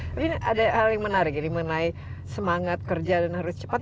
tapi ada hal yang menarik ini mengenai semangat kerja dan harus cepat